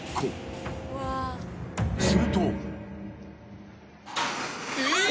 ［すると］